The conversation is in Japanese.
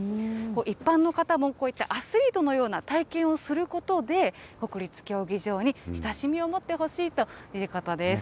一般の方もこういったアスリートのような体験をすることで、国立競技場に親しみを持ってほしいということです。